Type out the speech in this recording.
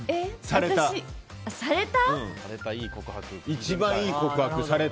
された、一番いい告白。